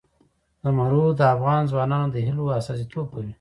زمرد د افغان ځوانانو د هیلو استازیتوب کوي.